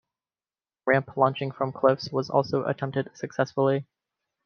Ramp launching from cliffs was also attempted successfully.